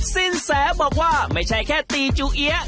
สินแสบอกว่าไม่ใช่แค่ตีจูเอี๊ยะ